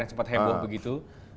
yang cepat heboh begitu